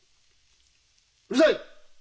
うるさい！